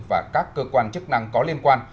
và các cơ quan chức năng có liên quan